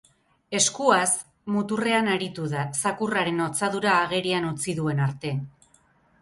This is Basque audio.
Eskuaz muturrean aritu da, zakurraren hortzadura agerian utzi duen arte.